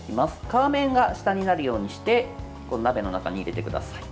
皮面が下になるようにして鍋の中に入れてください。